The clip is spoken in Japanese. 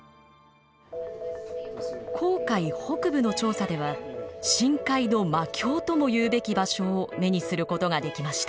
紅海北部の調査では深海の魔境ともいうべき場所を目にすることができました。